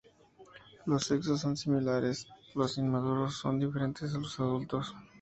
Los sexos son similares, los inmaduros son diferentes a los adultos.